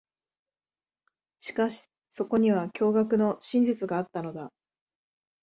しかし、そこには驚愕の真実があったのだ。